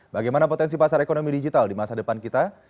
bagaimana potensi pasar ekonomi digital di masa depan kita